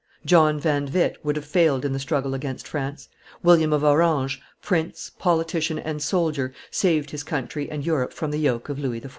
John van Witt would have failed in the struggle against France; William of Orange, prince, politician, and soldier, saved his country and Europe from the yoke of Louis XIV.